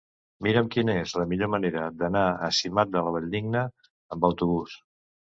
Mira'm quina és la millor manera d'anar a Simat de la Valldigna amb autobús.